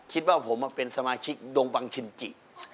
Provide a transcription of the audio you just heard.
คิดว่าผมมาเป็นสมาชิกดงบังชินจิ